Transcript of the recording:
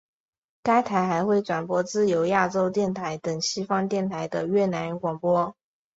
该台还会转播自由亚洲电台等西方电台的越南语广播。